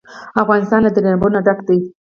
افغانستان له دریابونه ډک دی.